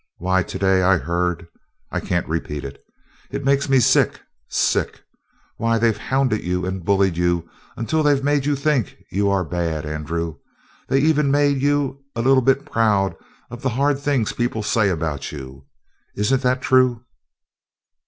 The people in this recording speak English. Why, today I heard I can't repeat it. It makes me sick sick! Why, they've hounded you and bullied you until they've made you think you are bad, Andrew. They've even made you a little bit proud of the hard things people say about you. Isn't that true?"